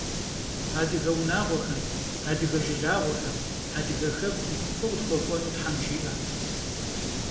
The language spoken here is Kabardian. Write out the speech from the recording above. Adıge vunağuexem, adıge jjılağuexem, adıge xekum f'ı khıtxuek'uenu them jji'e!